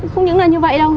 không những là như vậy đâu